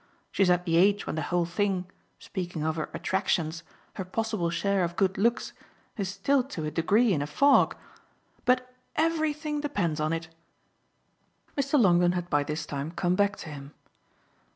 She's at the age when the whole thing speaking of her 'attractions,' her possible share of good looks is still to a degree in a fog. But everything depends on it." Mr. Longdon had by this time come back to him.